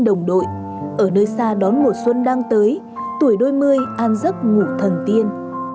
đồng đội ở nơi xa đón mùa xuân đang tới tuổi đôi mươi an giấc ngủ thần tiên